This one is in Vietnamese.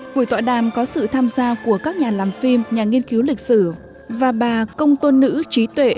buổi tọa đàm có sự tham gia của các nhà làm phim nhà nghiên cứu lịch sử và bà công tôn nữ trí tuệ